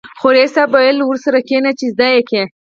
خو ريس صيب ويلې ورسره کېنه چې زده يې کې.